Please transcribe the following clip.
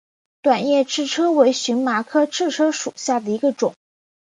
短叶赤车为荨麻科赤车属下的一个种。